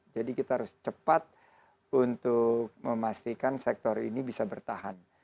jadi kita harus cepat untuk memastikan sektor ini bisa bertahan